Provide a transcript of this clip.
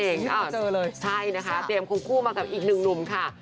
เจอเลยใช่นะคะเตรียมควงคู่มากับอีกหนึ่งหนุ่มค่ะ